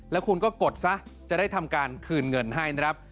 แล้วคุณก็กดซะจะได้ทำการคืนเงินให้นะครับ